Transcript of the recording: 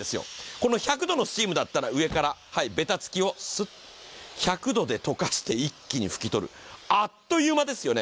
この１００度のスチームだったら、上からべたつきをスッと１００度で溶かして一気に拭き取る、あっという間ですよね。